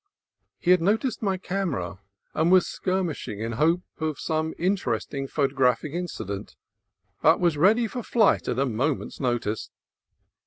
He had noticed my camera, and was skirmishing in hope of some interesting photo graphic incident, but was ready for flight at a mo ment's notice.